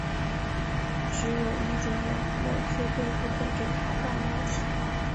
只有一种人我绝对不会给他半毛钱